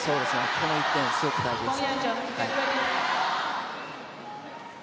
この１点、すごく大事です。